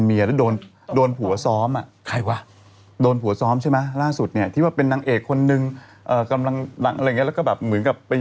มีที่เขาเดินมั้ยมีที่เขาเดินมั้ย